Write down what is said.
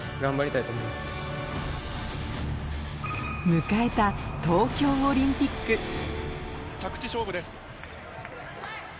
迎えた東京オリンピック着地勝負です。